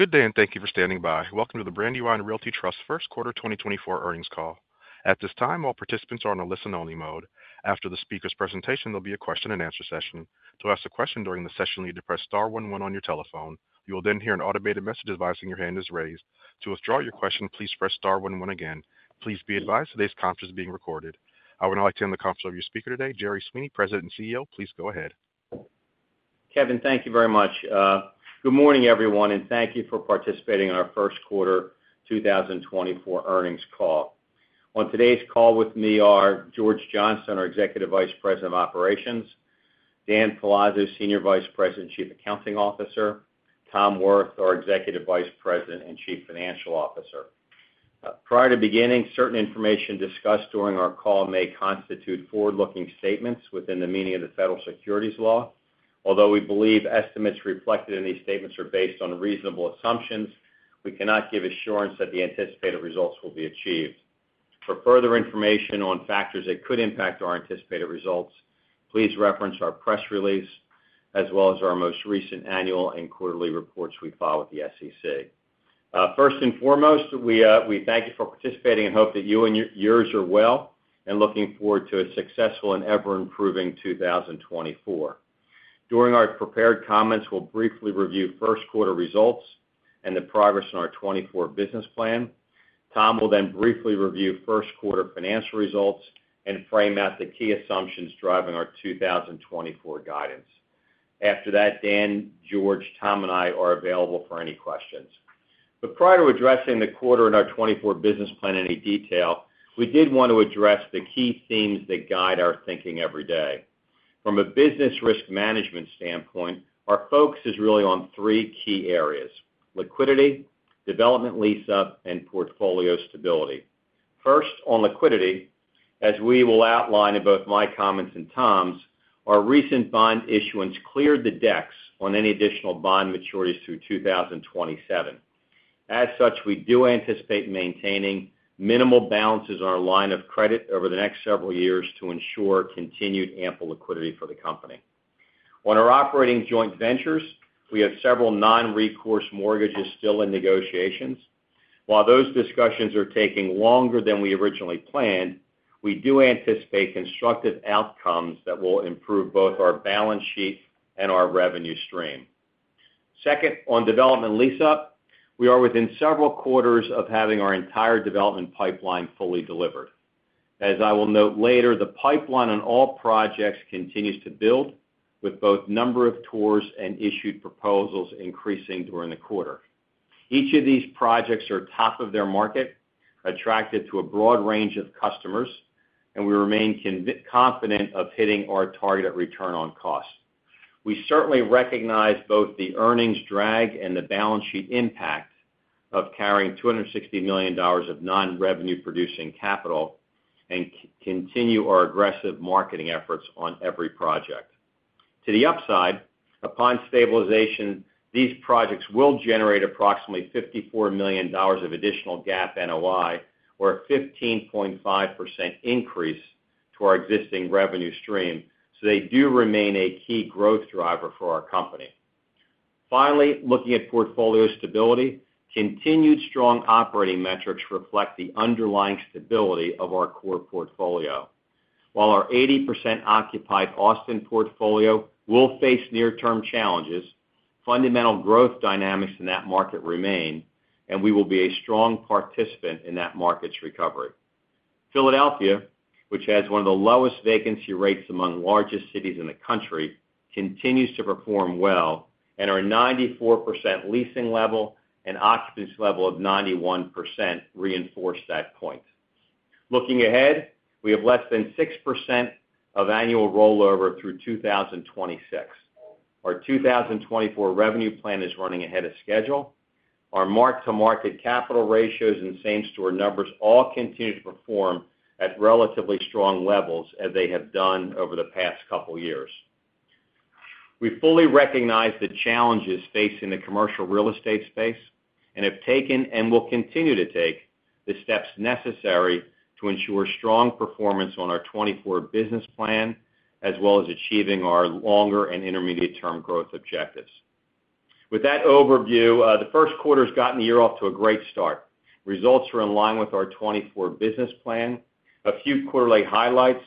Good day, and thank you for standing by. Welcome to the Brandywine Realty Trust First Quarter 2024 earnings call. At this time, all participants are on a listen-only mode. After the speaker's presentation, there'll be a question-and-answer session. To ask a question during the session, you need to press star one one on your telephone. You will then hear an automated message advising your hand is raised. To withdraw your question, please press star one one again. Please be advised, today's conference is being recorded. I would now like to turn the conference over to your speaker today, Jerry Sweeney, President and CEO. Please go ahead. Kevin, thank you very much. Good morning, everyone, and thank you for participating in our first quarter 2024 earnings call. On today's call with me are George Johnstone, our Executive Vice President of Operations, Dan Palazzo, Senior Vice President and Chief Accounting Officer, Tom Wirth, our Executive Vice President and Chief Financial Officer. Prior to beginning, certain information discussed during our call may constitute forward-looking statements within the meaning of the Federal Securities Law. Although we believe estimates reflected in these statements are based on reasonable assumptions, we cannot give assurance that the anticipated results will be achieved. For further information on factors that could impact our anticipated results, please reference our press release, as well as our most recent annual and quarterly reports we file with the SEC. First and foremost, we thank you for participating and hope that you and yours are well, and looking forward to a successful and ever-improving 2024. During our prepared comments, we'll briefly review first quarter results and the progress in our 2024 business plan. Tom will then briefly review first quarter financial results and frame out the key assumptions driving our 2024 guidance. After that, Dan, George, Tom, and I are available for any questions. But prior to addressing the quarter and our 2024 business plan in any detail, we did want to address the key themes that guide our thinking every day. From a business risk management standpoint, our focus is really on three key areas: liquidity, development lease-up, and portfolio stability. First, on liquidity, as we will outline in both my comments and Tom's, our recent bond issuance cleared the decks on any additional bond maturities through 2027. As such, we do anticipate maintaining minimal balances on our line of credit over the next several years to ensure continued ample liquidity for the company. On our operating joint ventures, we have several non-recourse mortgages still in negotiations. While those discussions are taking longer than we originally planned, we do anticipate constructive outcomes that will improve both our balance sheet and our revenue stream. Second, on development lease-up, we are within several quarters of having our entire development pipeline fully delivered. As I will note later, the pipeline on all projects continues to build, with both number of tours and issued proposals increasing during the quarter. Each of these projects are top of their market, attractive to a broad range of customers, and we remain confident of hitting our target of return on cost. We certainly recognize both the earnings drag and the balance sheet impact of carrying $260 million of non-revenue-producing capital and continue our aggressive marketing efforts on every project. To the upside, upon stabilization, these projects will generate approximately $54 million of additional GAAP NOI, or a 15.5% increase to our existing revenue stream, so they do remain a key growth driver for our company. Finally, looking at portfolio stability, continued strong operating metrics reflect the underlying stability of our core portfolio. While our 80% occupied Austin portfolio will face near-term challenges, fundamental growth dynamics in that market remain, and we will be a strong participant in that market's recovery. Philadelphia, which has one of the lowest vacancy rates among the largest cities in the country, continues to perform well, and our 94% leasing level and occupancy level of 91% reinforce that point. Looking ahead, we have less than 6% of annual rollover through 2026. Our 2024 revenue plan is running ahead of schedule. Our mark-to-market capital ratios and same-store numbers all continue to perform at relatively strong levels as they have done over the past couple years. We fully recognize the challenges facing the commercial real estate space and have taken, and will continue to take, the steps necessary to ensure strong performance on our 2024 business plan, as well as achieving our longer- and intermediate-term growth objectives. With that overview, the first quarter's gotten the year off to a great start. Results are in line with our 2024 business plan. A few quarterly highlights: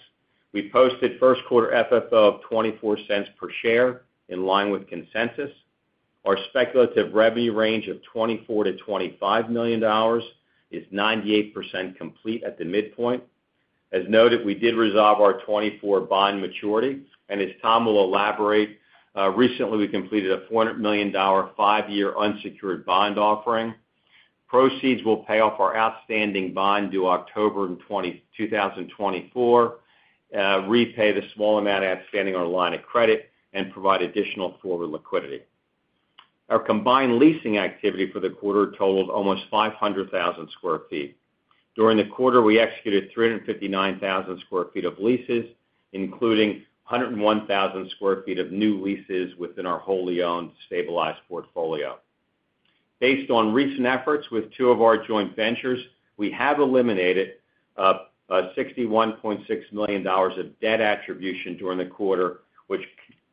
We posted first quarter FFO of $0.24 per share, in line with consensus. Our speculative revenue range of $24 million-$25 million is 98% complete at the midpoint. As noted, we did resolve our 2024 bond maturity, and as Tom will elaborate, recently we completed a $400 million five-year unsecured bond offering. Proceeds will pay off our outstanding bond due October 2024, repay the small amount outstanding on our line of credit, and provide additional forward liquidity. Our combined leasing activity for the quarter totaled almost 500,000 sq ft. During the quarter, we executed 359,000 sq ft of leases, including 101,000 sq ft of new leases within our wholly owned, stabilized portfolio. Based on recent efforts with two of our joint ventures, we have eliminated $61.6 million of debt attribution during the quarter, which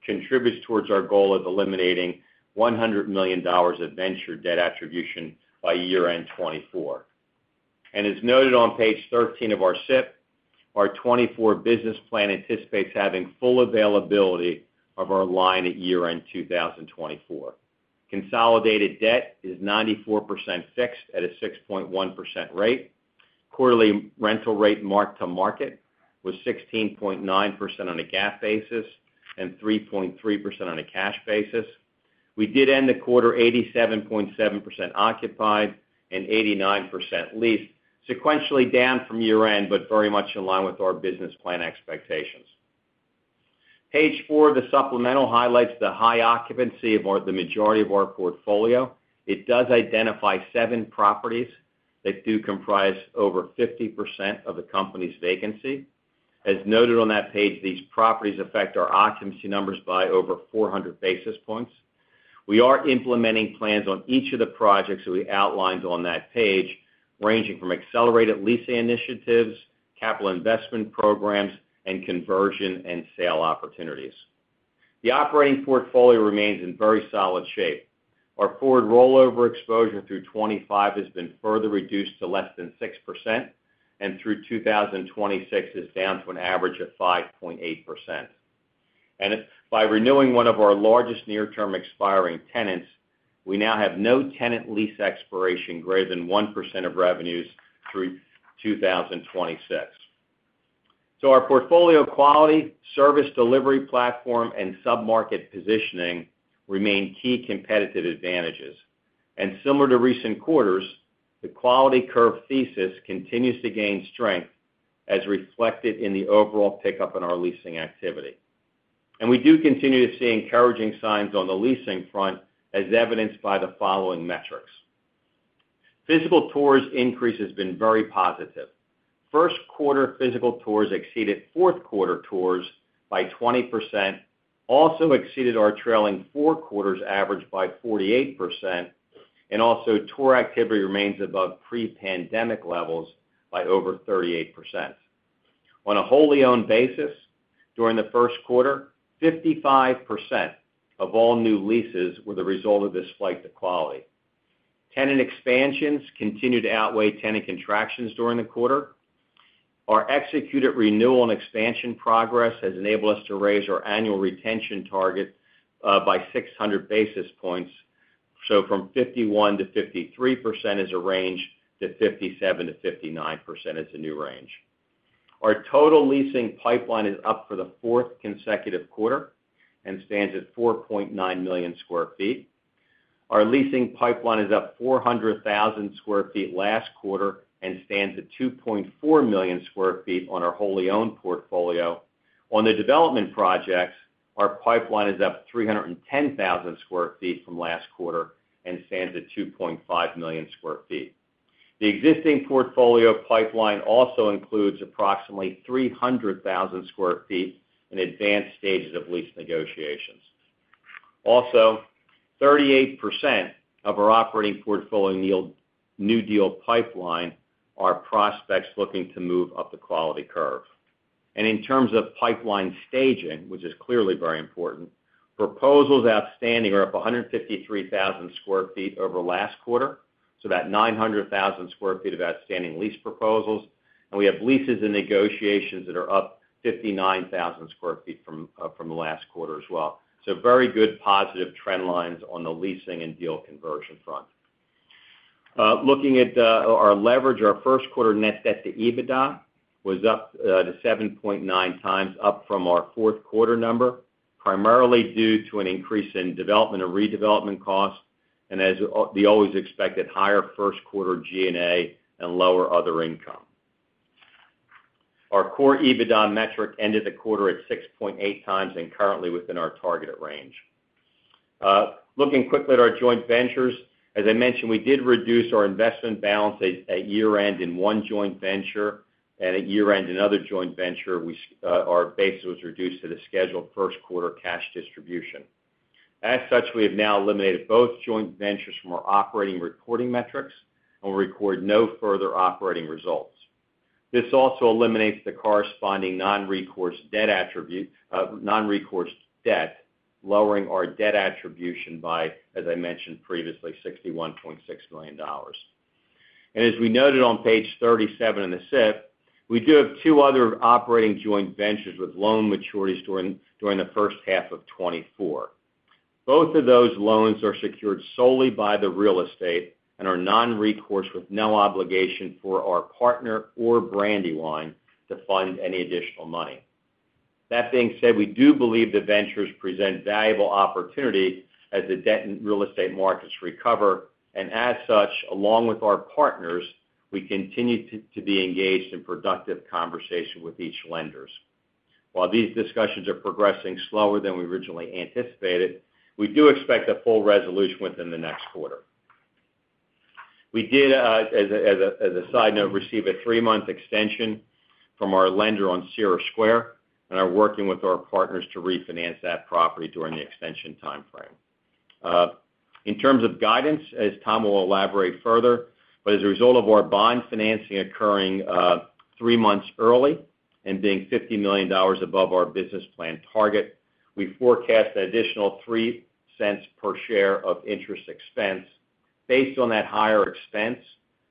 contributes towards our goal of eliminating $100 million of venture debt attribution by year-end 2024. As noted on page 13 of our SIP, our 2024 business plan anticipates having full availability of our line at year-end 2024. Consolidated debt is 94% fixed at a 6.1% rate. Quarterly rental rate mark to market was 16.9% on a GAAP basis and 3.3% on a cash basis. We did end the quarter 87.7% occupied and 89% leased, sequentially down from year-end, but very much in line with our business plan expectations. Page four of the supplemental highlights the high occupancy of the majority of our portfolio. It does identify seven properties that do comprise over 50% of the company's vacancy. As noted on that page, these properties affect our occupancy numbers by over 400 basis points. We are implementing plans on each of the projects that we outlined on that page, ranging from accelerated leasing initiatives, capital investment programs, and conversion and sale opportunities. The operating portfolio remains in very solid shape. Our forward rollover exposure through 2025 has been further reduced to less than 6%, and through 2026, is down to an average of 5.8%. And by renewing one of our largest near-term expiring tenants, we now have no tenant lease expiration greater than 1% of revenues through 2026. Our portfolio quality, service delivery platform, and submarket positioning remain key competitive advantages. Similar to recent quarters, the quality curve thesis continues to gain strength, as reflected in the overall pickup in our leasing activity. We do continue to see encouraging signs on the leasing front, as evidenced by the following metrics. Physical tours increase has been very positive. First quarter physical tours exceeded fourth quarter tours by 20%, also exceeded our trailing four quarters average by 48%, and also tour activity remains above pre-pandemic levels by over 38%. On a wholly owned basis, during the first quarter, 55% of all new leases were the result of this flight to quality. Tenant expansions continued to outweigh tenant contractions during the quarter. Our executed renewal and expansion progress has enabled us to raise our annual retention target by 600 basis points. So from 51%-53% is a range, to 57%-59% is a new range. Our total leasing pipeline is up for the fourth consecutive quarter and stands at 4.9 million sq ft. Our leasing pipeline is up 400,000 sq ft last quarter and stands at 2.4 million sq ft on our wholly owned portfolio. On the development projects, our pipeline is up 310,000 sq ft from last quarter and stands at 2.5 million sq ft. The existing portfolio pipeline also includes approximately 300,000 sq ft in advanced stages of lease negotiations. Also, 38% of our operating portfolio yield- new deal pipeline are prospects looking to move up the quality curve. In terms of pipeline staging, which is clearly very important, proposals outstanding are up 153,000 sq ft over last quarter, so that 900,000 sq ft of outstanding lease proposals. We have leases and negotiations that are up 59,000 sq ft from the last quarter as well. So very good positive trend lines on the leasing and deal conversion front. Looking at our leverage, our first quarter net debt to EBITDA was up to 7.9x, up from our fourth quarter number, primarily due to an increase in development and redevelopment costs, and as always expected, higher first quarter G&A and lower other income. Our core EBITDA metric ended the quarter at 6.8x and currently within our targeted range. Looking quickly at our joint ventures. As I mentioned, we did reduce our investment balance at year-end in one joint venture, and at year-end, another joint venture, our base was reduced to the scheduled first quarter cash distribution. As such, we have now eliminated both joint ventures from our operating reporting metrics and will record no further operating results. This also eliminates the corresponding non-recourse debt attribute, non-recourse debt, lowering our debt attribution by, as I mentioned previously, $61.6 million. And as we noted on page 37 in the SIP, we do have two other operating joint ventures with loan maturities during the first half of 2024. Both of those loans are secured solely by the real estate and are non-recourse with no obligation for our partner or Brandywine to fund any additional money. That being said, we do believe the ventures present valuable opportunity as the debt and real estate markets recover. As such, along with our partners, we continue to be engaged in productive conversation with each lender. While these discussions are progressing slower than we originally anticipated, we do expect a full resolution within the next quarter. We did, as a side note, receive a three-month extension from our lender on Cira Square, and are working with our partners to refinance that property during the extension timeframe... In terms of guidance, as Tom will elaborate further, but as a result of our bond financing occurring three months early and being $50 million above our business plan target, we forecast an additional $0.03 per share of interest expense. Based on that higher expense,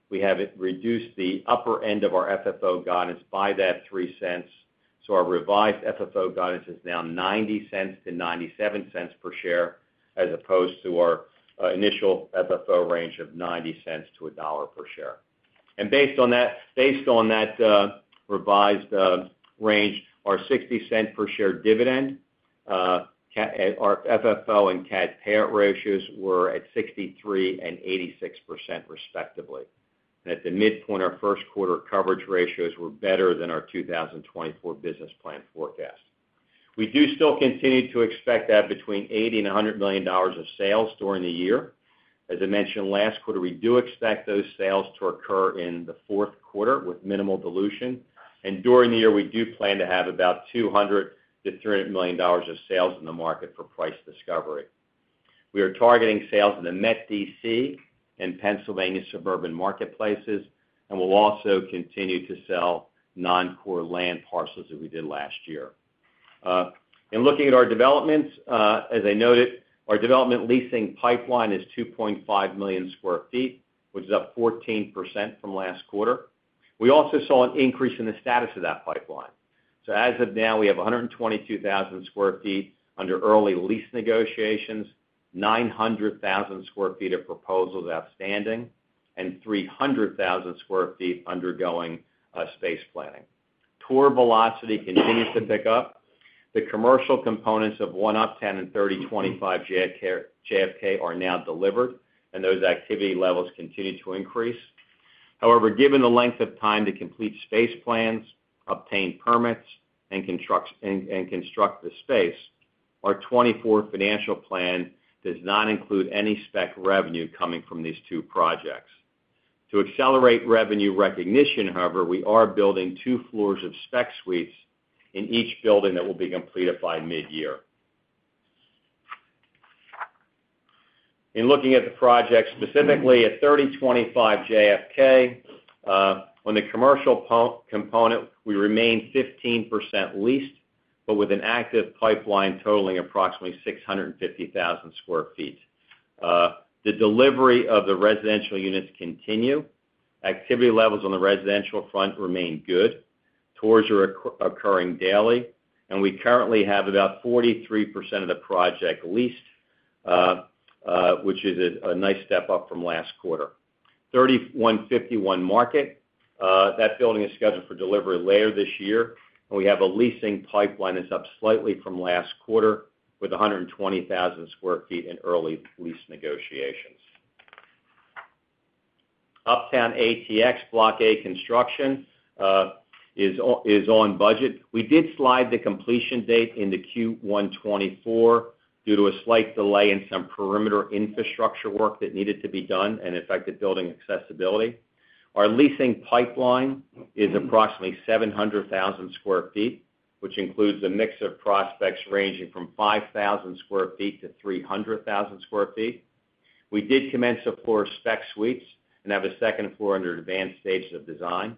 we have it reduced the upper end of our FFO guidance by that $0.03, so our revised FFO guidance is now $0.90-$0.97 per share, as opposed to our initial FFO range of $0.90-$1 per share. Based on that revised range, our $0.60 per share dividend, our FFO and CAD payout ratios were at 63% and 86%, respectively. At the midpoint, our first quarter coverage ratios were better than our 2024 business plan forecast. We do still continue to expect that between $80 million and $100 million of sales during the year. As I mentioned last quarter, we do expect those sales to occur in the fourth quarter with minimal dilution. During the year, we do plan to have about $200 million-$300 million of sales in the market for price discovery. We are targeting sales in the Met DC and Pennsylvania suburban marketplaces, and we'll also continue to sell non-core land parcels as we did last year. In looking at our developments, as I noted, our development leasing pipeline is 2.5 million sq ft, which is up 14% from last quarter. We also saw an increase in the status of that pipeline. So as of now, we have 122,000 sq ft under early lease negotiations, 900,000 sq ft of proposals outstanding, and 300,000 sq ft undergoing space planning. Tour velocity continues to pick up. The commercial components of One Uptown and 3025 JFK are now delivered, and those activity levels continue to increase. However, given the length of time to complete space plans, obtain permits, and construct the space, our 2024 financial plan does not include any spec revenue coming from these two projects. To accelerate revenue recognition, however, we are building two floors of spec suites in each building that will be completed by mid-year. In looking at the project, specifically at 3025 JFK, on the commercial component, we remain 15% leased, but with an active pipeline totaling approximately 650,000 sq ft. The delivery of the residential units continue. Activity levels on the residential front remain good. Tours are occurring daily, and we currently have about 43% of the project leased, which is a nice step up from last quarter. 3151 Market, that building is scheduled for delivery later this year, and we have a leasing pipeline that's up slightly from last quarter, with 120,000 sq ft in early lease negotiations. Uptown ATX Block A construction is on budget. We did slide the completion date into Q1 2024 due to a slight delay in some perimeter infrastructure work that needed to be done and affected building accessibility. Our leasing pipeline is approximately 700,000 sq ft, which includes a mix of prospects ranging from 5,000 sq ft-300,000 sq ft. We did commence, of course, spec suites and have a second floor under advanced stages of design.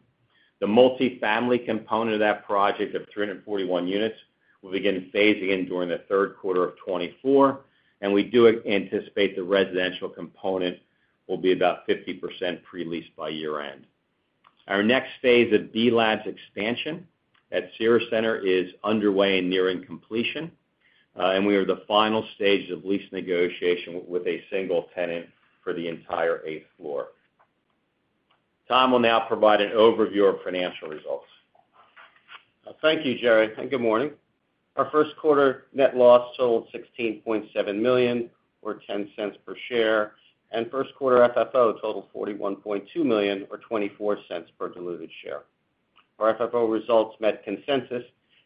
The multifamily component of that project of 341 units will begin phasing in during the third quarter of 2024, and we do anticipate the residential component will be about 50% pre-leased by year-end. Our next phase of B+labs's expansion at Cira Centre is underway and nearing completion, and we are in the final stages of lease negotiation with a single tenant for the entire 8th floor. Tom will now provide an overview of financial results. Thank you, Jerry, and good morning. Our first quarter net loss totaled $16.7 million, or $0.10 per share, and first quarter FFO totaled $41.2 million, or $0.24 per diluted share. Our FFO results met consensus,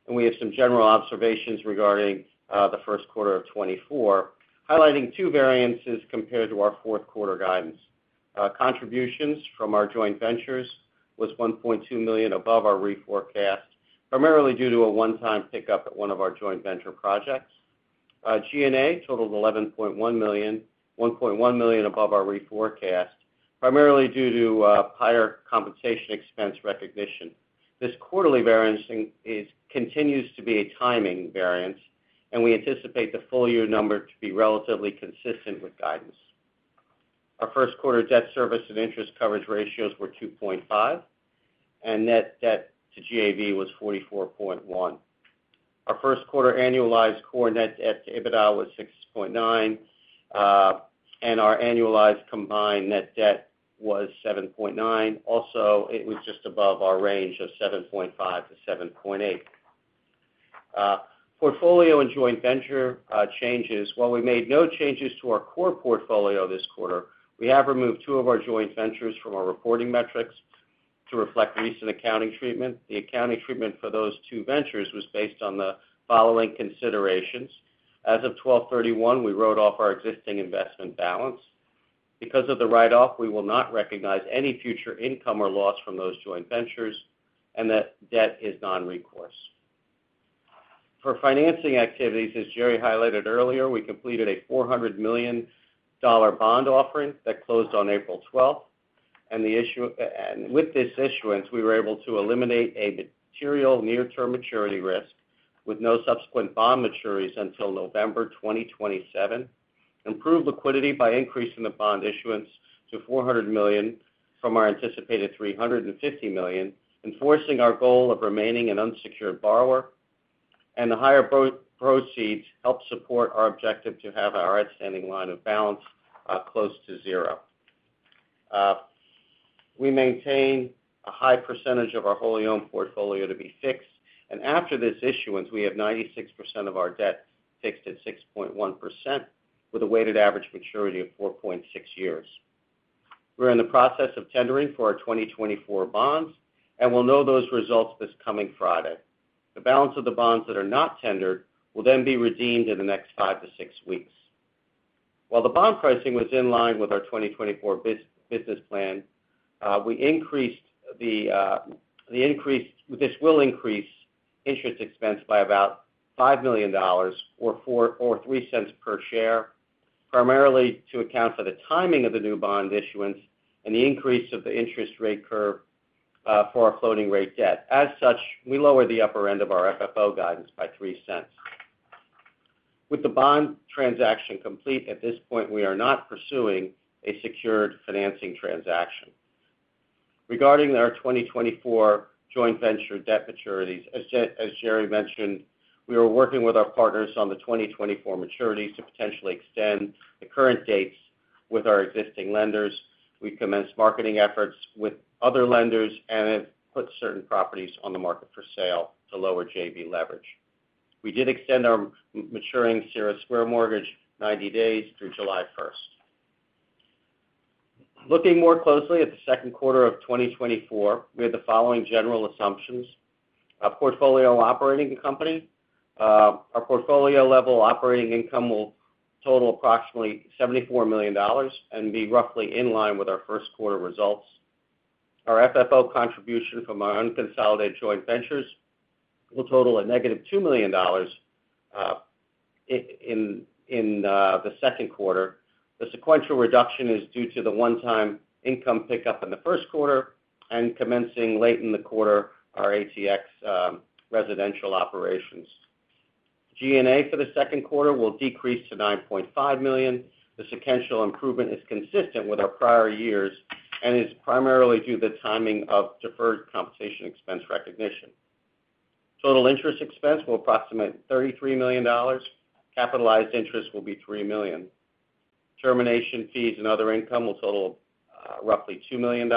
and we have some general observations regarding the first quarter of 2024, highlighting two variances compared to our fourth quarter guidance. Contributions from our joint ventures was $1.2 million above our reforecast, primarily due to a one-time pickup at one of our joint venture projects. G&A totaled $11.1 million, $1.1 million above our reforecast, primarily due to higher compensation expense recognition. This quarterly variance is continues to be a timing variance, and we anticipate the full year number to be relatively consistent with guidance. Our first quarter debt service and interest coverage ratios were 2.5, and net debt to GAV was 44.1. Our first quarter annualized core net debt to EBITDA was 6.9, and our annualized combined net debt was 7.9. Also, it was just above our range of 7.5-7.8. Portfolio and joint venture changes. While we made no changes to our core portfolio this quarter, we have removed two of our joint ventures from our reporting metrics to reflect recent accounting treatment. The accounting treatment for those two ventures was based on the following considerations: As of 12/31, we wrote off our existing investment balance. Because of the write-off, we will not recognize any future income or loss from those joint ventures, and that debt is non-recourse.... For financing activities, as Jerry highlighted earlier, we completed a $400 million bond offering that closed on April 12. With this issuance, we were able to eliminate a material near-term maturity risk with no subsequent bond maturities until November 2027, improve liquidity by increasing the bond issuance to $400 million from our anticipated $350 million, enforcing our goal of remaining an unsecured borrower, and the higher proceeds helped support our objective to have our outstanding line balance close to zero. We maintain a high percentage of our wholly owned portfolio to be fixed, and after this issuance, we have 96% of our debt fixed at 6.1%, with a weighted average maturity of 4.6 years. We're in the process of tendering for our 2024 bonds, and we'll know those results this coming Friday. The balance of the bonds that are not tendered will then be redeemed in the next 5-6 weeks. While the bond pricing was in line with our 2024 business plan, this will increase interest expense by about $5 million or $0.04 or $0.03 per share, primarily to account for the timing of the new bond issuance and the increase of the interest rate curve for our floating rate debt. As such, we lowered the upper end of our FFO guidance by $0.03. With the bond transaction complete, at this point, we are not pursuing a secured financing transaction. Regarding our 2024 joint venture debt maturities, as Jerry mentioned, we are working with our partners on the 2024 maturities to potentially extend the current dates with our existing lenders. We commenced marketing efforts with other lenders and have put certain properties on the market for sale to lower JV leverage. We did extend our maturing Cira Square mortgage 90 days through July first. Looking more closely at the second quarter of 2024, we had the following general assumptions. Our portfolio operating company, our portfolio-level operating income will total approximately $74 million and be roughly in line with our first quarter results. Our FFO contribution from our unconsolidated joint ventures will total a negative $2 million in the second quarter. The sequential reduction is due to the one-time income pickup in the first quarter and commencing late in the quarter, our ATX residential operations. G&A for the second quarter will decrease to $9.5 million. The sequential improvement is consistent with our prior years and is primarily due to the timing of deferred compensation expense recognition. Total interest expense will approximate $33 million. Capitalized interest will be $3 million. Termination fees and other income will total roughly $2 million.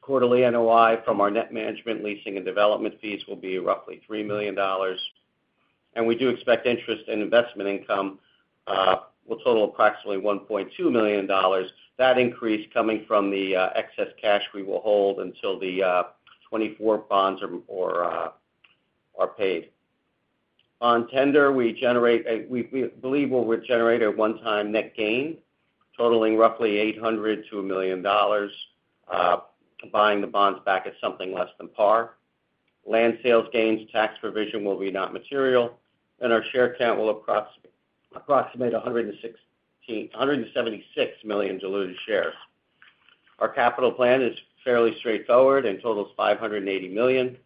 Quarterly NOI from our net management, leasing, and development fees will be roughly $3 million, and we do expect interest and investment income will total approximately $1.2 million. That increase coming from the excess cash we will hold until the 2024 bonds are paid. On tender, we generate a... We believe we'll generate a one-time net gain totaling roughly $800,000-$1 million, buying the bonds back at something less than par. Land sales gains, tax provision will be not material, and our share count will approximate 176 million diluted shares. Our capital plan is fairly straightforward and totals $580 million,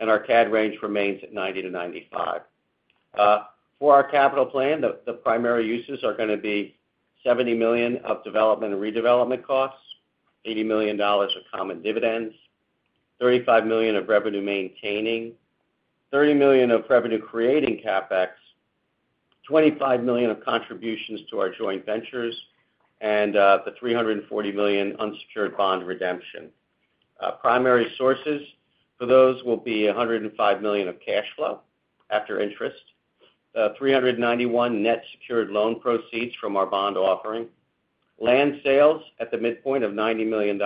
and our CAD range remains at 90-95. For our capital plan, the primary uses are going to be $70 million of development and redevelopment costs, $80 million of common dividends, $35 million of revenue maintaining, $30 million of revenue creating CapEx, $25 million of contributions to our joint ventures, and the $340 million unsecured bond redemption. Primary sources for those will be $105 million of cash flow after interest, $391 million net secured loan proceeds from our bond offering, land sales at the midpoint of $90 million,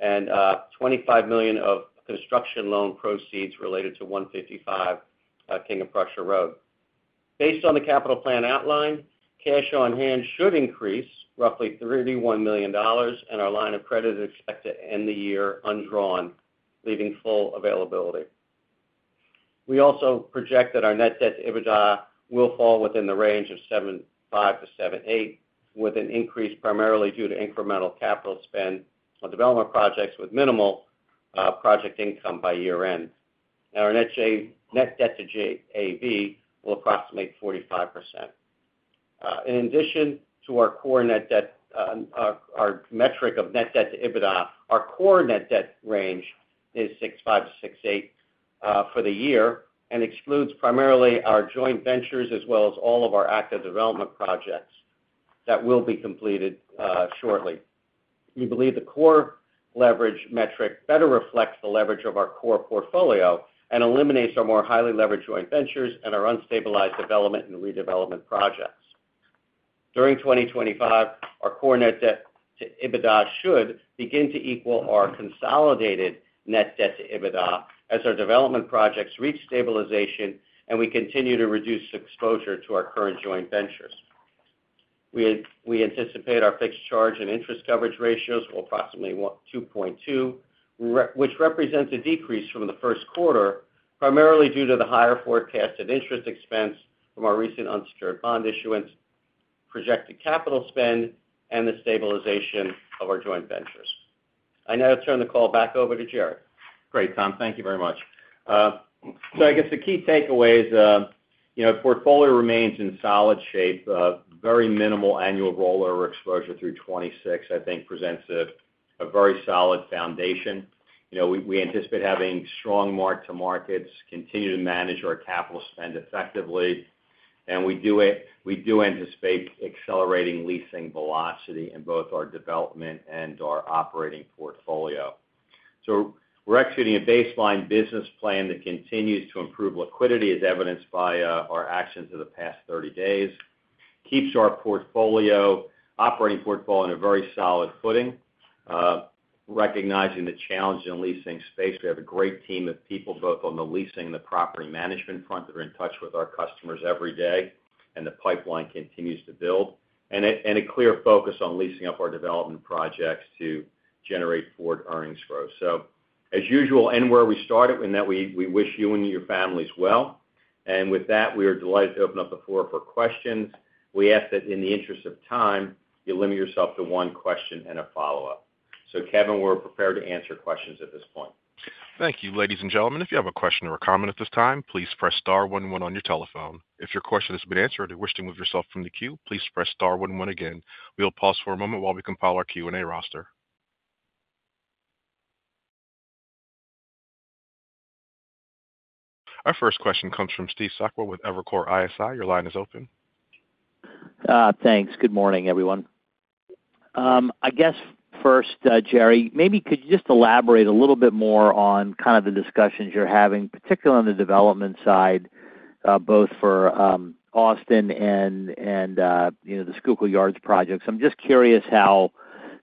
and $25 million of construction loan proceeds related to 155 King of Prussia Road. Based on the capital plan outline, cash on hand should increase roughly $31 million, and our line of credit is expected to end the year undrawn, leaving full availability. We also project that our net debt to EBITDA will fall within the range of 7.5-7.8, with an increase primarily due to incremental capital spend on development projects with minimal project income by year-end. Now, our net debt to GAV will approximate 45%. In addition to our core net debt, our metric of net debt to EBITDA, our core net debt range is 6.5x-6.8x for the year and excludes primarily our joint ventures, as well as all of our active development projects that will be completed shortly. We believe the core leverage metric better reflects the leverage of our core portfolio and eliminates our more highly leveraged joint ventures and our unstabilized development and redevelopment projects. During 2025, our core net debt to EBITDA should begin to equal our consolidated net debt to EBITDA as our development projects reach stabilization, and we continue to reduce exposure to our current joint ventures. We anticipate our fixed charge and interest coverage ratios of approximately 1.2, which represents a decrease from the first quarter, primarily due to the higher forecasted interest expense from our recent unsecured bond issuance, projected capital spend, and the stabilization of our joint ventures. I now turn the call back over to Jerry. Great, Tom, thank you very much. So I guess the key takeaways, you know, portfolio remains in solid shape, very minimal annual rollover exposure through 2026, I think presents a very solid foundation. You know, we anticipate having strong mark-to-markets, continue to manage our capital spend effectively, and we do anticipate accelerating leasing velocity in both our development and our operating portfolio. So we're executing a baseline business plan that continues to improve liquidity, as evidenced by our actions in the past 30 days, keeps our operating portfolio in a very solid footing. Recognizing the challenge in leasing space, we have a great team of people, both on the leasing and the property management front, that are in touch with our customers every day, and the pipeline continues to build. And a clear focus on leasing up our development projects to generate forward earnings growth. So as usual, and where we started, in that we wish you and your families well. And with that, we are delighted to open up the floor for questions. We ask that in the interest of time, you limit yourself to one question and a follow-up. So Kevin, we're prepared to answer questions at this point. Thank you, ladies and gentlemen. If you have a question or a comment at this time, please press star one one on your telephone. If your question has been answered or you wish to move yourself from the queue, please press star one one again. We'll pause for a moment while we compile our Q&A roster. Our first question comes from Steve Sakwa with Evercore ISI. Your line is open. Thanks. Good morning, everyone. I guess first, Jerry, maybe could you just elaborate a little bit more on kind of the discussions you're having, particularly on the development side, both for Austin and, you know, the Schuylkill Yards projects. I'm just curious how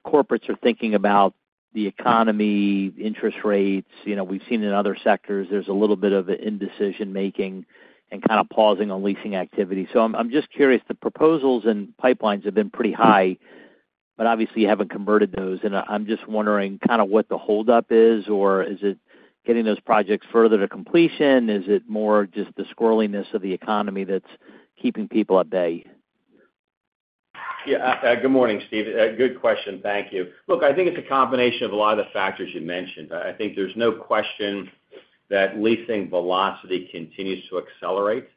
corporates are thinking about the economy, interest rates. You know, we've seen in other sectors there's a little bit of indecision-making and kind of pausing on leasing activity. So I'm just wondering kind of what the hold up is, or is it getting those projects further to completion? Is it more just the squirreliness of the economy that's keeping people at bay? Yeah, good morning, Steve. Good question. Thank you. Look, I think it's a combination of a lot of the factors you mentioned. I think there's no question that leasing velocity continues to accelerate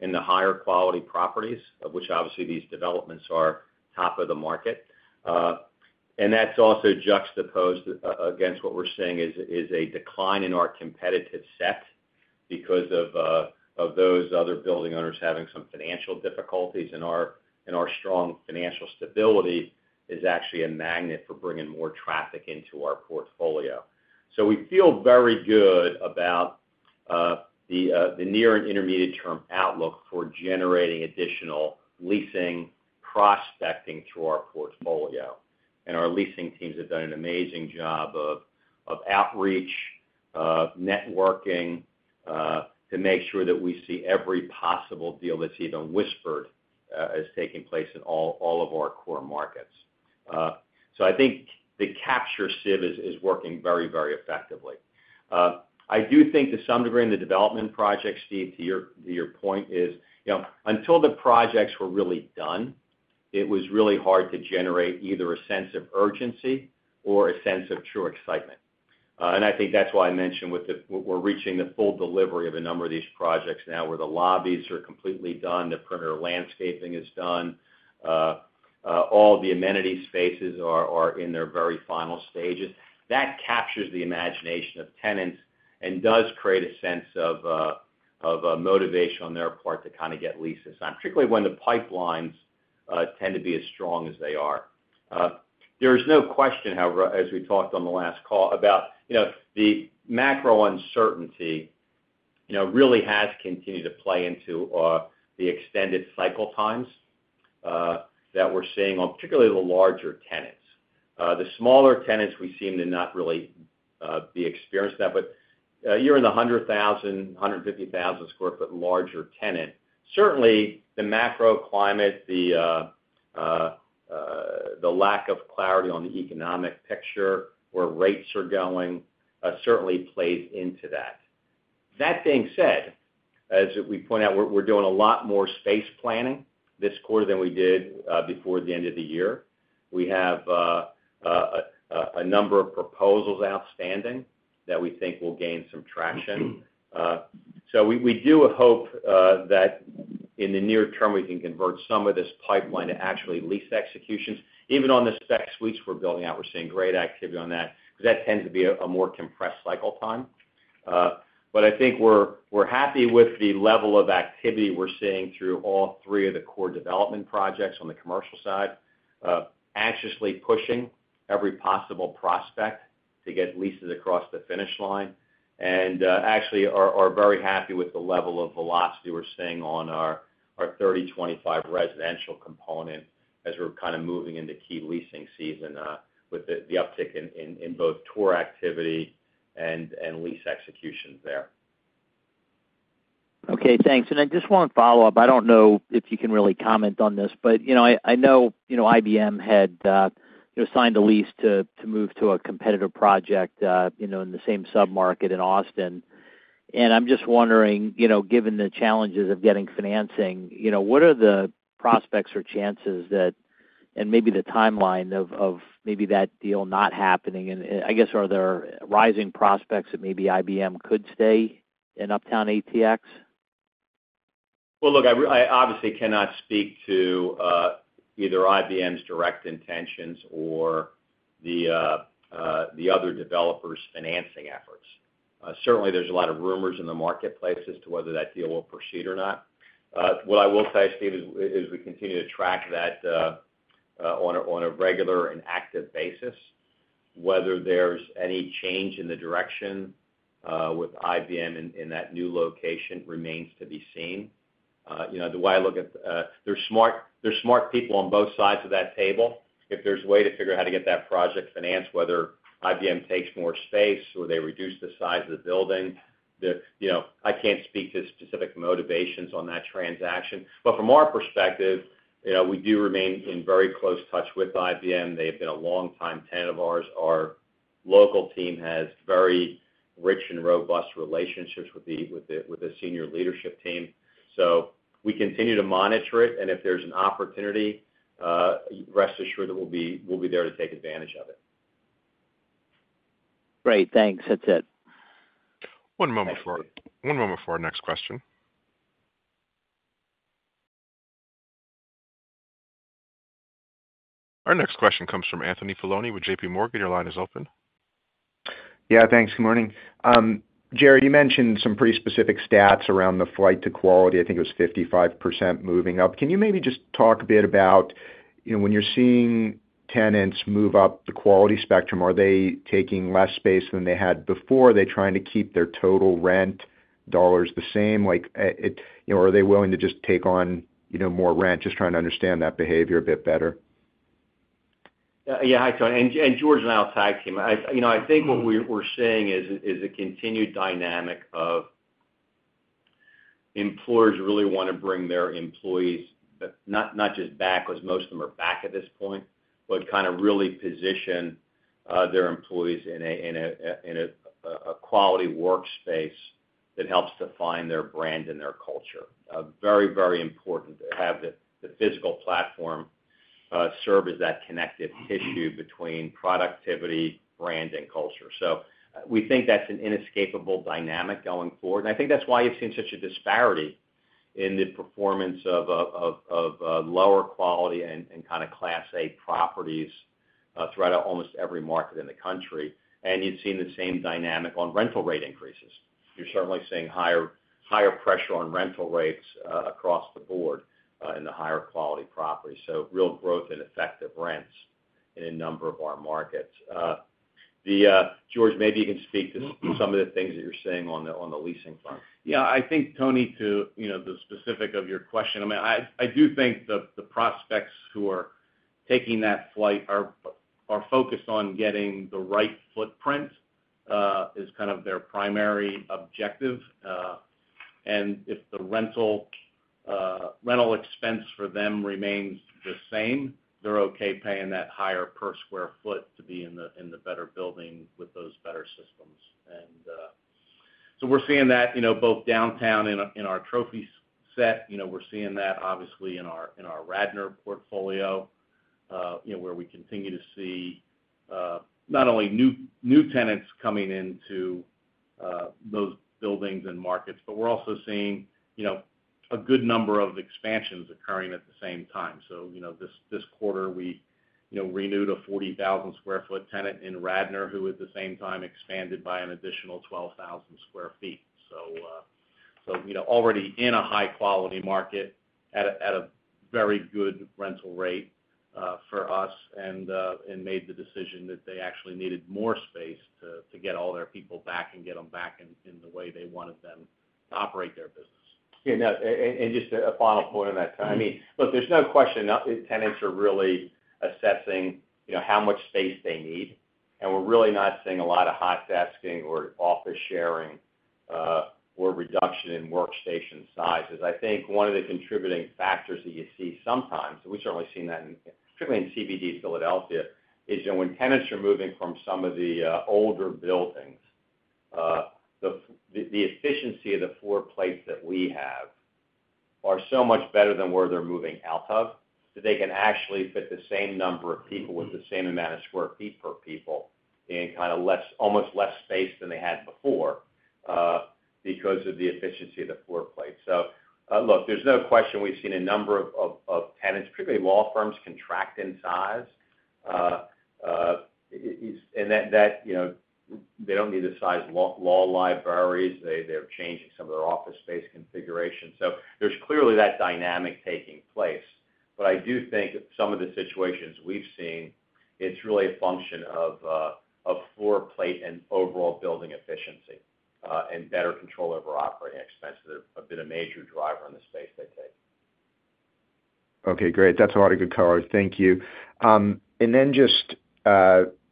in the higher quality properties, of which obviously these developments are top of the market. And that's also juxtaposed against what we're seeing is a decline in our competitive set because of those other building owners having some financial difficulties, and our strong financial stability is actually a magnet for bringing more traffic into our portfolio. So we feel very good about the near and intermediate term outlook for generating additional leasing prospecting to our portfolio. Our leasing teams have done an amazing job of outreach, networking, to make sure that we see every possible deal that's even whispered as taking place in all of our core markets. So I think the capture sieve is working very, very effectively. I do think to some degree in the development projects, Steve, to your point is, you know, until the projects were really done, it was really hard to generate either a sense of urgency or a sense of true excitement. And I think that's why I mentioned we're reaching the full delivery of a number of these projects now, where the lobbies are completely done, the perimeter landscaping is done, all the amenity spaces are in their very final stages. That captures the imagination of tenants and does create a sense of of motivation on their part to kind of get leases on, particularly when the pipelines tend to be as strong as they are. There is no question, however, as we talked on the last call about, you know, the macro uncertainty, you know, really has continued to play into the extended cycle times that we're seeing on particularly the larger tenants. The smaller tenants, we seem to not really be experienced that, but, you're in the 100,000, 150,000 sq ft larger tenant. Certainly, the macro climate, the lack of clarity on the economic picture, where rates are going, certainly plays into that. That being said, as we point out, we're doing a lot more space planning this quarter than we did before the end of the year. We have a number of proposals outstanding that we think will gain some traction. So we do hope that in the near term, we can convert some of this pipeline to actually lease executions. Even on the spec suites we're building out, we're seeing great activity on that, because that tends to be a more compressed cycle time. But I think we're happy with the level of activity we're seeing through all three of the core development projects on the commercial side. Anxiously pushing every possible prospect to get leases across the finish line, and actually are very happy with the level of velocity we're seeing on our 3025 residential component as we're kind of moving into key leasing season, with the uptick in both tour activity and lease executions there.... Okay, thanks. And I just want to follow up. I don't know if you can really comment on this, but, you know, I know, you know, IBM had, you know, signed a lease to move to a competitive project, you know, in the same submarket in Austin. And I'm just wondering, you know, given the challenges of getting financing, you know, what are the prospects or chances that, and maybe the timeline of maybe that deal not happening? And I guess, are there rising prospects that maybe IBM could stay in Uptown ATX? Well, look, I obviously cannot speak to either IBM's direct intentions or the other developers' financing efforts. Certainly, there's a lot of rumors in the marketplace as to whether that deal will proceed or not. What I will say, Steve, is we continue to track that on a regular and active basis. Whether there's any change in the direction with IBM in that new location remains to be seen. You know, the way I look at... There's smart people on both sides of that table. If there's a way to figure out how to get that project financed, whether IBM takes more space or they reduce the size of the building, you know, I can't speak to specific motivations on that transaction. But from our perspective, you know, we do remain in very close touch with IBM. They've been a longtime tenant of ours. Our local team has very rich and robust relationships with the senior leadership team. So we continue to monitor it, and if there's an opportunity, rest assured that we'll be there to take advantage of it. Great, thanks. That's it. One moment for our next question. Our next question comes from Anthony Paolone with JPMorgan. Your line is open. Yeah, thanks. Good morning. Jerry, you mentioned some pretty specific stats around the flight to quality. I think it was 55% moving up. Can you maybe just talk a bit about, you know, when you're seeing tenants move up the quality spectrum, are they taking less space than they had before? Are they trying to keep their total rent dollars the same? Like, you know, are they willing to just take on, you know, more rent? Just trying to understand that behavior a bit better. Yeah. Yeah. Hi, Tony, and George and I will tag team. You know, I think what we're seeing is a continued dynamic of employers really want to bring their employees, not just back, because most of them are back at this point, but kind of really position their employees in a quality workspace that helps define their brand and their culture. Very, very important to have the physical platform serve as that connective tissue between productivity, brand, and culture. So we think that's an inescapable dynamic going forward. And I think that's why you've seen such a disparity in the performance of lower quality and kind of Class A properties throughout almost every market in the country. And you've seen the same dynamic on rental rate increases. You're certainly seeing higher, higher pressure on rental rates across the board in the higher quality properties. So real growth in effective rents in a number of our markets. George, maybe you can speak to some of the things that you're seeing on the leasing front. Yeah, I think, Tony, to, you know, the specific of your question, I mean, I do think the prospects who are taking that flight are focused on getting the right footprint is kind of their primary objective. And if the rental expense for them remains the same, they're okay paying that higher per square foot to be in the better building with those better systems. And so we're seeing that, you know, both downtown in our trophy set. You know, we're seeing that obviously in our Radnor portfolio, you know, where we continue to see not only new tenants coming into those buildings and markets, but we're also seeing, you know, a good number of expansions occurring at the same time. So, you know, this quarter, we renewed a 40,000 sq ft tenant in Radnor, who, at the same time, expanded by an additional 12,000 sq ft. So, you know, already in a high-quality market at a very good rental rate for us, and made the decision that they actually needed more space to get all their people back and get them back in the way they wanted them to operate their business. Yeah, no, and just a final point on that, Tony. I mean, look, there's no question, tenants are really assessing, you know, how much space they need, and we're really not seeing a lot of hot desking or office sharing, or reduction in workstation sizes. I think one of the contributing factors that you see sometimes, and we've certainly seen that in, particularly in CBD Philadelphia, is when tenants are moving from some of the, older buildings, the efficiency of the floor plate that we have are so much better than where they're moving out of, that they can actually fit the same number of people with the same amount of square feet per people in kind of less- almost less space than they had before, because of the efficiency of the floor plate. So, look, there's no question we've seen a number of tenants, particularly law firms, contract in size. And that, you know, they don't need the size law libraries. They're changing some of their office space configuration. So there's clearly that dynamic taking place. But I do think that some of the situations we've seen, it's really a function of a floor plate and overall building efficiency, and better control over operating expenses have been a major driver in the space they take.... Okay, great. That's a lot of good color. Thank you. And then just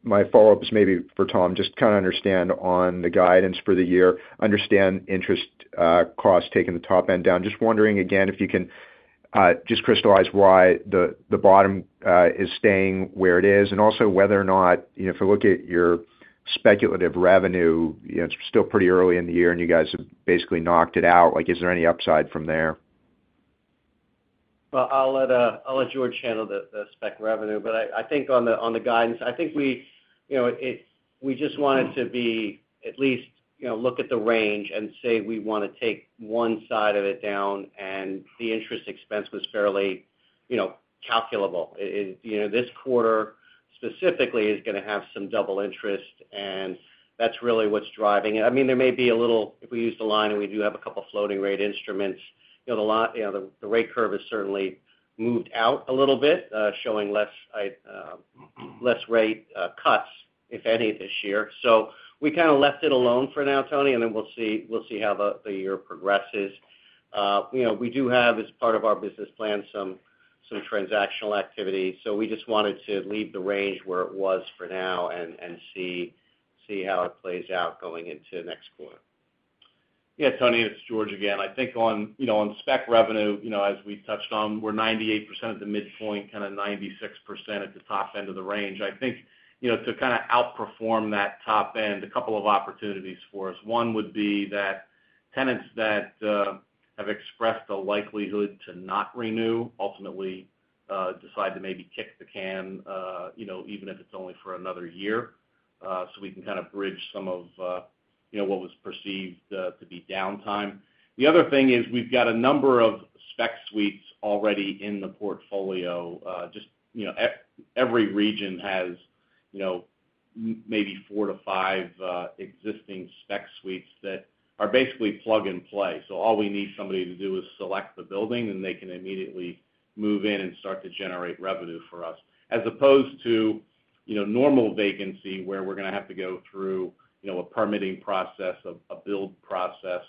my follow-up is maybe for Tom, just to kind of understand on the guidance for the year. Understand interest costs taking the top end down. Just wondering, again, if you can just crystallize why the bottom is staying where it is, and also whether or not, you know, if you look at your speculative revenue, you know, it's still pretty early in the year, and you guys have basically knocked it out. Like, is there any upside from there? Well, I'll let George handle the spec revenue, but I think on the guidance, I think we, you know, it, we just want it to be at least, you know, look at the range and say we wanna take one side of it down, and the interest expense was fairly, you know, calculable. It, you know, this quarter specifically is gonna have some double interest, and that's really what's driving it. I mean, there may be a little, if we use the line, and we do have a couple floating rate instruments, you know, the line, you know, the rate curve has certainly moved out a little bit, showing less rate cuts, if any, this year. So we kind of left it alone for now, Tony, and then we'll see how the year progresses. You know, we do have, as part of our business plan, some transactional activity, so we just wanted to leave the range where it was for now and see how it plays out going into next quarter. Yeah, Tony, it's George again. I think on, you know, on spec revenue, you know, as we've touched on, we're 98% at the midpoint, kind of 96% at the top end of the range. I think, you know, to kind of outperform that top end, a couple of opportunities for us. One would be that tenants that have expressed a likelihood to not renew, ultimately decide to maybe kick the can, you know, even if it's only for another year. So we can kind of bridge some of, you know, what was perceived to be downtime. The other thing is we've got a number of spec suites already in the portfolio. Just, you know, every region has, you know, maybe 4-5 existing spec suites that are basically plug and play. So all we need somebody to do is select the building, and they can immediately move in and start to generate revenue for us, as opposed to, you know, normal vacancy, where we're gonna have to go through, you know, a permitting process, a build process,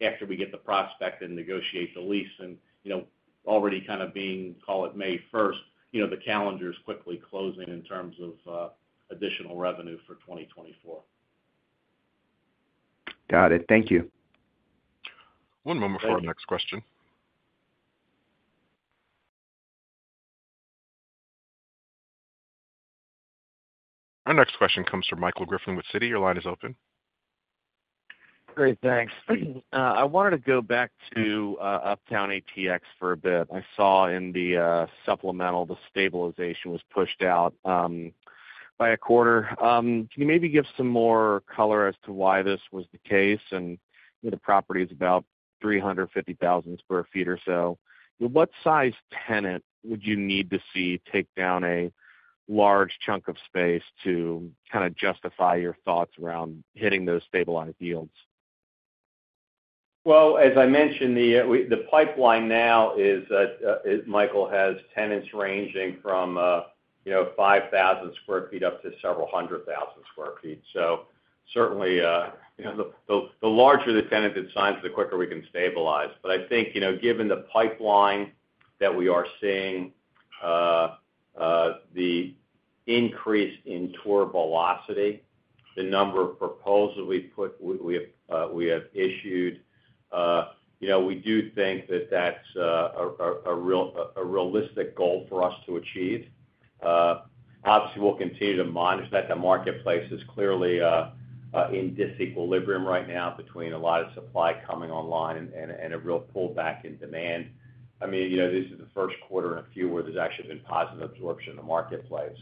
after we get the prospect and negotiate the lease. And, you know, already kind of being, call it May first, you know, the calendar is quickly closing in terms of, additional revenue for 2024. Got it. Thank you. One moment for our next question. Our next question comes from Michael Griffin with Citi. Your line is open. Great, thanks. I wanted to go back to Uptown ATX for a bit. I saw in the supplemental, the stabilization was pushed out by a quarter. Can you maybe give some more color as to why this was the case? And, you know, the property is about 350,000 sq ft or so. What size tenant would you need to see take down a large chunk of space to kind of justify your thoughts around hitting those stabilized yields? Well, as I mentioned, the pipeline now is that it, Michael, has tenants ranging from, you know, 5,000 sq ft up to several hundred thousand sq ft. So certainly, you know, the larger the tenant that signs, the quicker we can stabilize. But I think, you know, given the pipeline that we are seeing, the increase in tour velocity, the number of proposals we have issued, you know, we do think that that's a realistic goal for us to achieve. Obviously, we'll continue to monitor that. The marketplace is clearly in disequilibrium right now between a lot of supply coming online and a real pullback in demand. I mean, you know, this is the first quarter in a few where there's actually been positive absorption in the marketplace.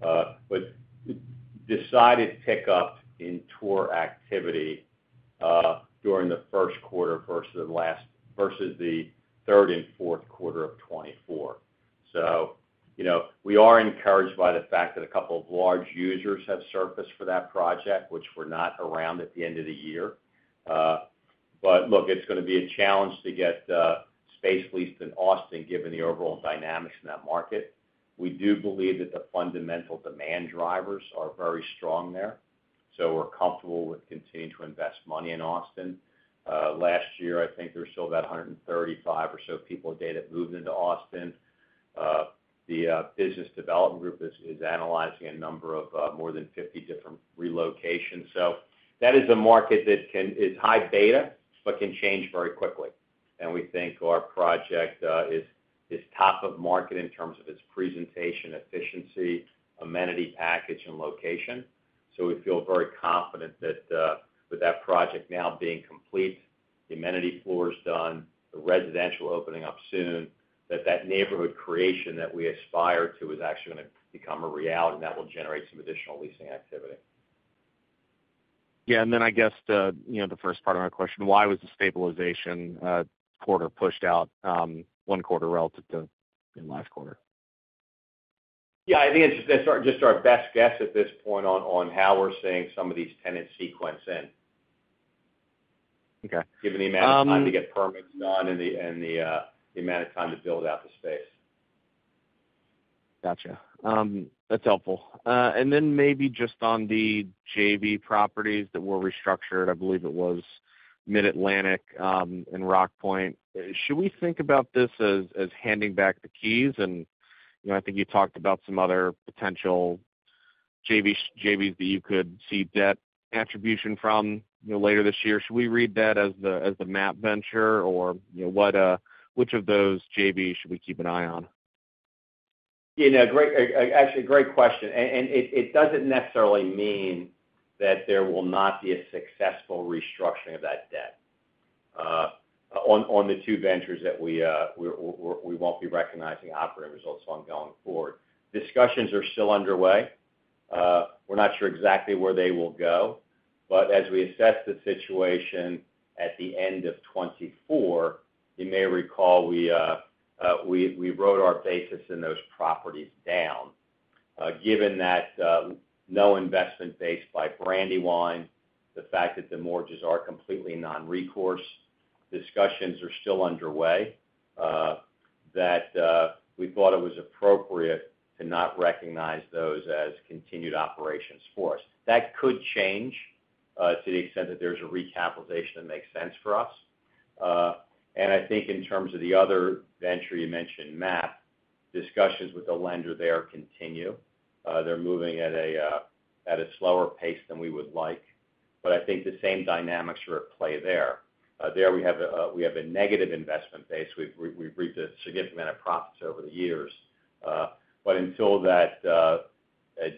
But decided pick up in tour activity during the first quarter versus the third and fourth quarter of 2024. So, you know, we are encouraged by the fact that a couple of large users have surfaced for that project, which were not around at the end of the year. But look, it's gonna be a challenge to get space leased in Austin, given the overall dynamics in that market. We do believe that the fundamental demand drivers are very strong there, so we're comfortable with continuing to invest money in Austin. Last year, I think there were still about 135 or so people a day that moved into Austin. The business development group is analyzing a number of more than 50 different relocations. So that is a market that can is high beta, but can change very quickly. And we think our project is top of market in terms of its presentation, efficiency, amenity package, and location. So we feel very confident that with that project now being complete, the amenity floor is done, the residential opening up soon, that that neighborhood creation that we aspire to is actually gonna become a reality, and that will generate some additional leasing activity. Yeah, and then I guess the, you know, the first part of my question, why was the stabilization quarter pushed out one quarter relative to in last quarter? Yeah, I think it's, it's our, just our best guess at this point on, on how we're seeing some of these tenants sequence in. Okay, um- Given the amount of time to get permits done and the amount of time to build out.... Gotcha. That's helpful. And then maybe just on the JV properties that were restructured, I believe it was Mid-Atlantic, and Rockpoint. Should we think about this as handing back the keys? And, you know, I think you talked about some other potential JV, JVs that you could see debt attribution from, you know, later this year. Should we read that as the MAP Venture? Or, you know, what, which of those JVs should we keep an eye on? Yeah, no, great, actually, great question. And it doesn't necessarily mean that there will not be a successful restructuring of that debt on the two ventures that we won't be recognizing operating results going forward. Discussions are still underway. We're not sure exactly where they will go, but as we assess the situation at the end of 2024, you may recall we wrote our basis in those properties down. Given that, no investment basis by Brandywine, the fact that the mortgages are completely non-recourse, discussions are still underway, we thought it was appropriate to not recognize those as continued operations for us. That could change to the extent that there's a recapitalization that makes sense for us. And I think in terms of the other venture you mentioned, MAP, discussions with the lender there continue. They're moving at a slower pace than we would like, but I think the same dynamics are at play there. There we have a negative investment base. We've reaped a significant amount of profits over the years. But until that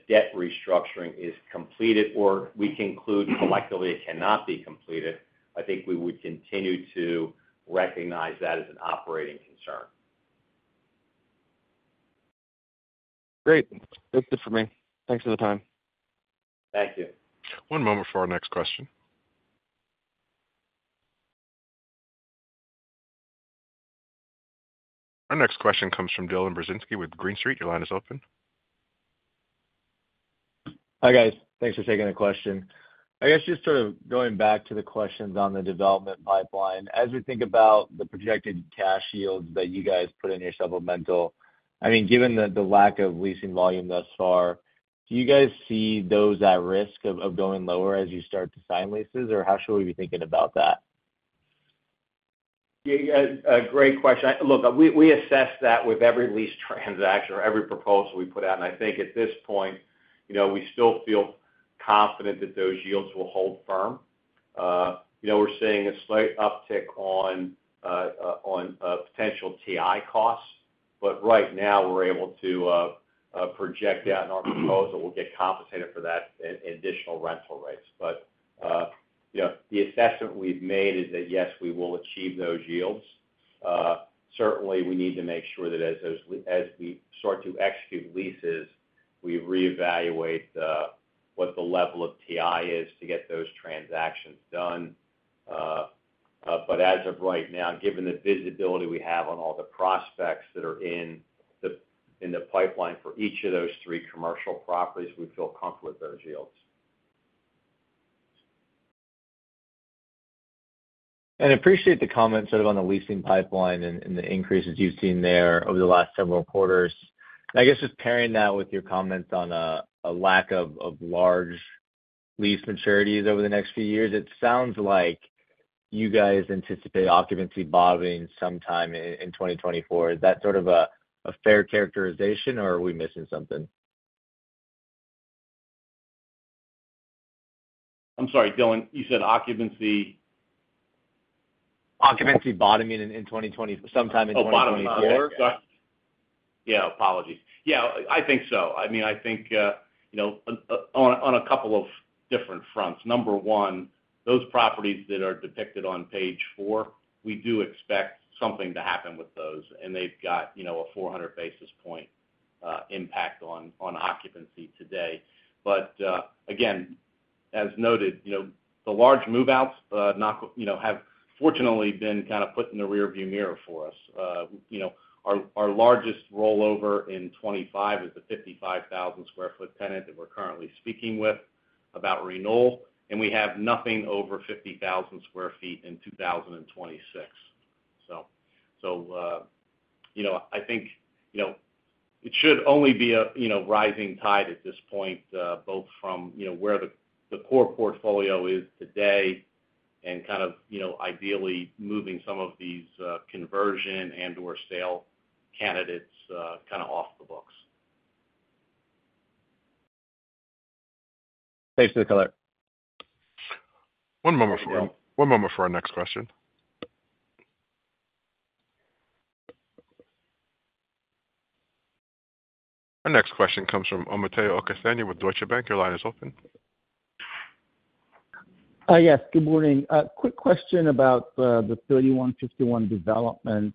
debt restructuring is completed or we conclude collectively it cannot be completed, I think we would continue to recognize that as an operating concern. Great. That's it for me. Thanks for the time. Thank you. One moment for our next question. Our next question comes from Dylan Burzinski with Green Street. Your line is open. Hi, guys. Thanks for taking the question. I guess just sort of going back to the questions on the development pipeline. As we think about the projected cash yields that you guys put in your supplemental, I mean, given the lack of leasing volume thus far, do you guys see those at risk of going lower as you start to sign leases, or how should we be thinking about that? Yeah, yeah, a great question. Look, we assess that with every lease transaction or every proposal we put out, and I think at this point, you know, we still feel confident that those yields will hold firm. You know, we're seeing a slight uptick on potential TI costs, but right now we're able to project out in our proposal, we'll get compensated for that in additional rental rates. But you know, the assessment we've made is that, yes, we will achieve those yields. Certainly, we need to make sure that as we start to execute leases, we reevaluate what the level of TI is to get those transactions done. But as of right now, given the visibility we have on all the prospects that are in the pipeline for each of those three commercial properties, we feel comfortable with those yields. I appreciate the comment sort of on the leasing pipeline and the increases you've seen there over the last several quarters. I guess just pairing that with your comments on a lack of large lease maturities over the next few years, it sounds like you guys anticipate occupancy bottoming sometime in 2024. Is that sort of a fair characterization, or are we missing something? I'm sorry, Dylan, you said occupancy? Occupancy bottoming in sometime in 2024. Oh, bottoming four. Yeah, apologies. Yeah, I think so. I mean, I think, you know, on, on, on a couple of different fronts. Number one, those properties that are depicted on page 4, we do expect something to happen with those, and they've got, you know, a 400 basis point impact on, on occupancy today. But, again, as noted, you know, the large move-outs, not, you know, have fortunately been kind of put in the rearview mirror for us. You know, our, our largest rollover in 25 is a 55,000 sq ft tenant that we're currently speaking with about renewal, and we have nothing over 50,000 sq ft in 2026. So, you know, I think, you know, it should only be a, you know, rising tide at this point, both from, you know, where the core portfolio is today and kind of, you know, ideally moving some of these, conversion and, or sale candidates, kind of off the books. Thanks for the color. One moment for, one moment for our next question. Our next question comes from Omotayo Okusanya with Deutsche Bank. Your line is open. Yes, good morning. A quick question about the 3151 development.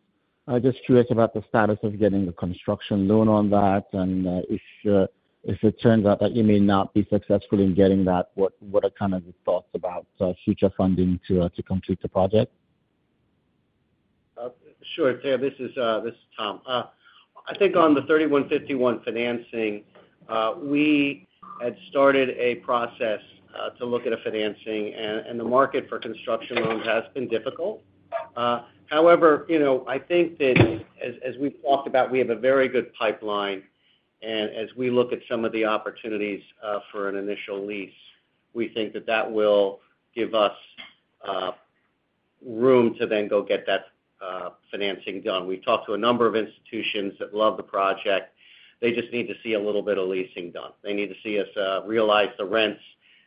I'm just curious about the status of getting the construction loan on that, and if it turns out that you may not be successful in getting that, what are kind of your thoughts about future funding to complete the project? Sure, Tayo, this is Tom. I think on the 3151 financing, we had started a process to look at a financing, and the market for construction loans has been difficult. However, you know, I think that as we've talked about, we have a very good pipeline, and as we look at some of the opportunities for an initial lease, we think that that will give us room to then go get that financing done. We've talked to a number of institutions that love the project. They just need to see a little bit of leasing done. They need to see us realize the rents.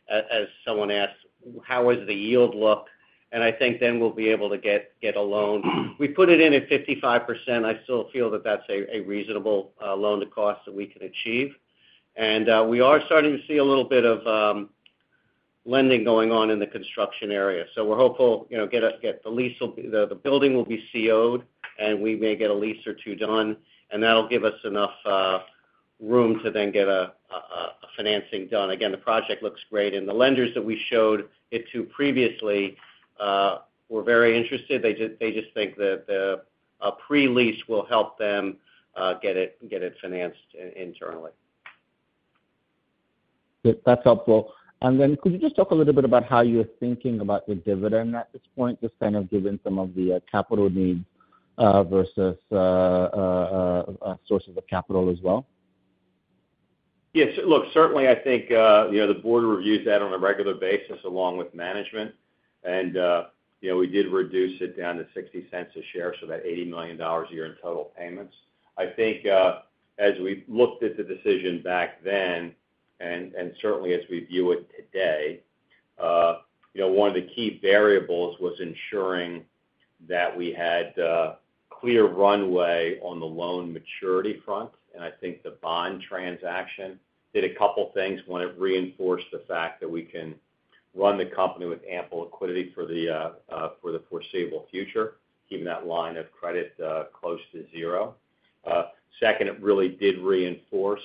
As someone asked, "How is the yield look?" And I think then we'll be able to get a loan. We put it in at 55%. I still feel that that's a reasonable loan to cost that we can achieve. And, we are starting to see a little bit of lending going on in the construction area. So we're hopeful, you know, the building will be CO'd, and we may get a lease or two done, and that'll give us enough room to then get a financing done. Again, the project looks great, and the lenders that we showed it to previously were very interested. They just think that a pre-lease will help them get it financed internally. Good. That's helpful. And then could you just talk a little bit about how you're thinking about the dividend at this point, just kind of given some of the capital needs versus sources of capital as well? Yes. Look, certainly, I think, you know, the board reviews that on a regular basis, along with management. And, you know, we did reduce it down to $0.60 a share, so about $80 million a year in total payments. I think, as we looked at the decision back then, and certainly as we view it today, you know, one of the key variables was ensuring that we had clear runway on the loan maturity front. And I think the bond transaction did a couple things. One, it reinforced the fact that we can run the company with ample liquidity for the foreseeable future, keeping that line of credit close to zero. Second, it really did reinforce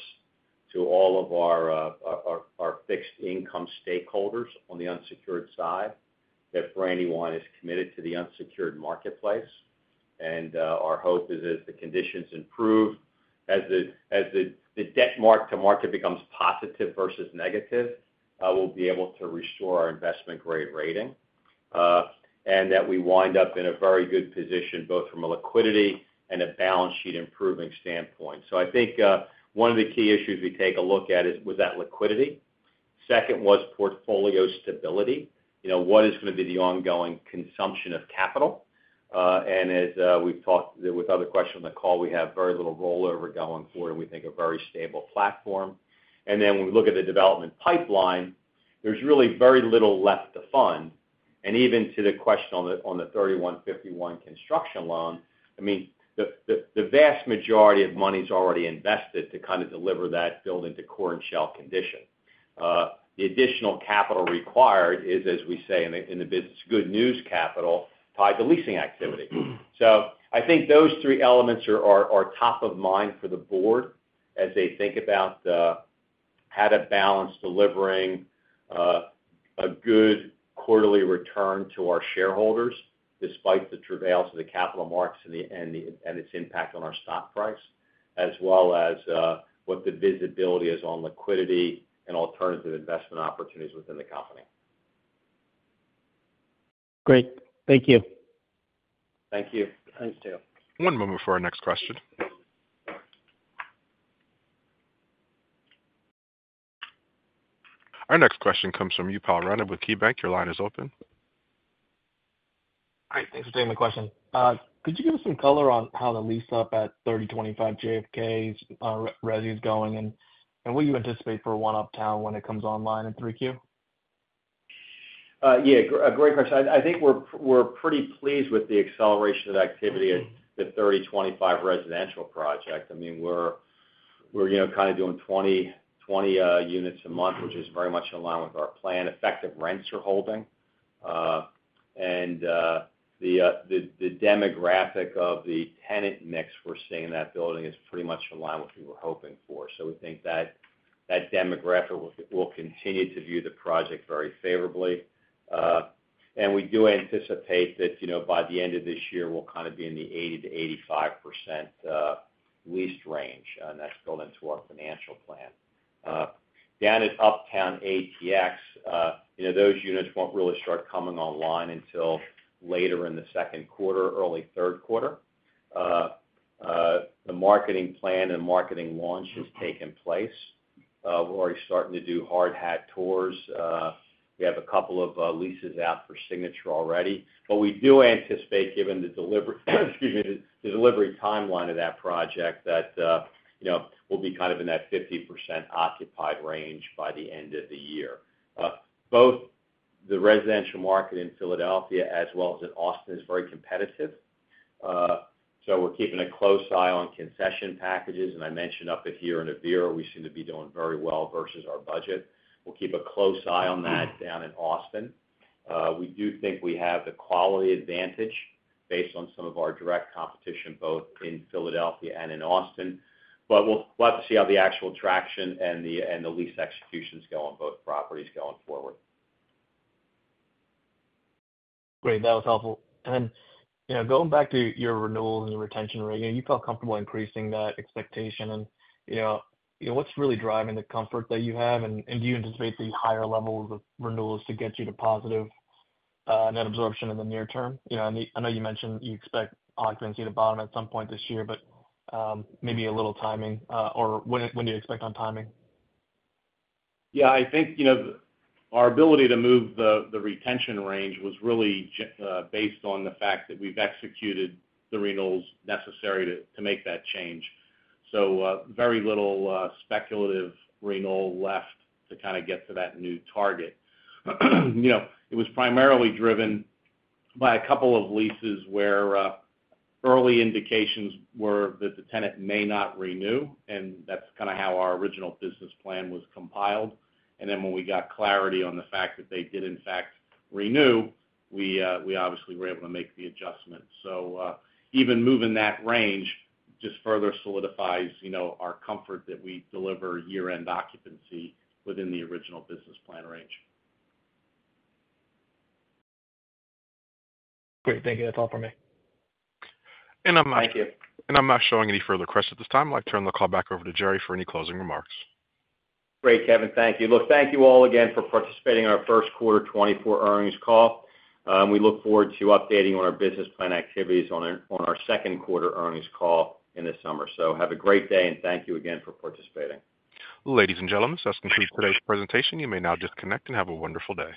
to all of our fixed income stakeholders on the unsecured side, that Brandywine is committed to the unsecured marketplace. And our hope is that as the conditions improve, as the debt mark to market becomes positive versus negative, we'll be able to restore our investment-grade rating. And that we wind up in a very good position, both from a liquidity and a balance sheet improving standpoint. So I think one of the key issues we take a look at is, was that liquidity. Second, was portfolio stability. You know, what is gonna be the ongoing consumption of capital? And as we've talked with other questions on the call, we have very little rollover going forward, and we think a very stable platform. And then when we look at the development pipeline, there's really very little left to fund. And even to the question on the 3151 construction loan, I mean, the vast majority of money's already invested to kind of deliver that building to core and shell condition. The additional capital required is, as we say in the business, good news capital, tied to leasing activity. So I think those three elements are top of mind for the board as they think about how to balance delivering a good quarterly return to our shareholders, despite the travails of the capital markets and its impact on our stock price, as well as what the visibility is on liquidity and alternative investment opportunities within the company. Great. Thank you. Thank you. Thanks, Dale. One moment for our next question. Our next question comes from Upal Rana with KeyBanc. Your line is open. Hi, thanks for taking my question. Could you give us some color on how the lease up at 3025 JFK's resi is going, and what do you anticipate for One Uptown when it comes online in 3Q? Yeah, a great question. I think we're pretty pleased with the acceleration of activity at the 3025 residential project. I mean, we're, you know, kind of doing 20 units a month, which is very much in line with our plan. Effective rents are holding. And the demographic of the tenant mix we're seeing in that building is pretty much in line with what we were hoping for. So we think that demographic will continue to view the project very favorably. And we do anticipate that, you know, by the end of this year, we'll kind of be in the 80%-85% leased range, and that's built into our financial plan. Down at Uptown ATX, you know, those units won't really start coming online until later in the second quarter, early third quarter. The marketing plan and marketing launch has taken place. We're already starting to do hard hat tours. We have a couple of leases out for signature already, but we do anticipate, given the deliver, excuse me, the delivery timeline of that project, that, you know, we'll be kind of in that 50% occupied range by the end of the year. Both the residential market in Philadelphia as well as in Austin is very competitive. So we're keeping a close eye on concession packages, and I mentioned up there in our area, we seem to be doing very well versus our budget. We'll keep a close eye on that down in Austin. We do think we have the quality advantage based on some of our direct competition, both in Philadelphia and in Austin. But we'll have to see how the actual traction and the lease executions go on both properties going forward. Great, that was helpful. You know, going back to your renewals and retention rate, you felt comfortable increasing that expectation and, you know, what's really driving the comfort that you have, and do you anticipate these higher levels of renewals to get you to positive net absorption in the near term? You know, I know you mentioned you expect occupancy to bottom at some point this year, but maybe a little timing, or when, when do you expect on timing? Yeah, I think, you know, our ability to move the retention range was really based on the fact that we've executed the renewals necessary to make that change. So, very little speculative renewal left to kind of get to that new target. You know, it was primarily driven by a couple of leases where early indications were that the tenant may not renew, and that's kind of how our original business plan was compiled. And then when we got clarity on the fact that they did in fact renew, we obviously were able to make the adjustment. So, even moving that range just further solidifies, you know, our comfort that we deliver year-end occupancy within the original business plan range. Great. Thank you. That's all for me. Thank you. I'm not showing any further questions at this time. I'd like to turn the call back over to Jerry for any closing remarks. Great, Kevin. Thank you. Look, thank you all again for participating in our first quarter 2024 earnings call. We look forward to updating on our business plan activities on our, on our second quarter earnings call in the summer. So have a great day, and thank you again for participating. Ladies and gentlemen, this concludes today's presentation. You may now disconnect and have a wonderful day.